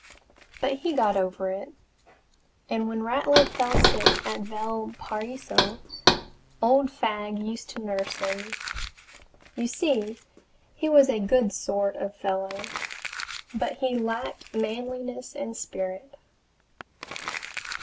But he got over it, and when Rattler fell sick at Valparaiso, old Fagg used to nurse him. You see he was a good sort of fellow, but he lacked manliness and spirit.